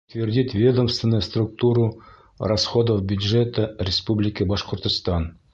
Утвердить ведомственную структуру расходов бюджета Республики Башкортостан: